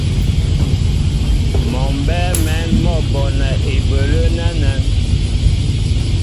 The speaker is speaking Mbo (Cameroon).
Mɔ mbɛ́ɛ́ mɛ̌n mɔ́ bonɛ ibələ́ nɛ́nɛ́.